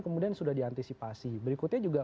kemudian sudah diantisipasi berikutnya juga